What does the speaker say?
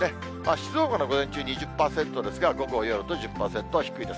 静岡の午前中２０％ですが、午後、夜と１０％、低いです。